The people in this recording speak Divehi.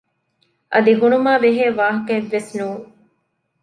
އަދި ހުނުމާބެހޭ ވާހަކައެއްވެސް ނޫން